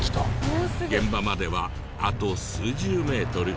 現場まではあと数十メートル。